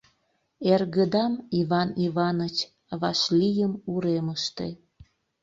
Эргыдам, Иван Иваныч, вашлийым уремыште.